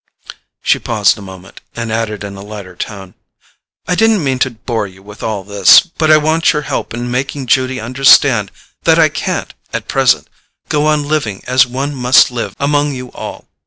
She paused a moment, and added in a lighter tone: "I didn't mean to bore you with all this, but I want your help in making Judy understand that I can't, at present, go on living as one must live among you all.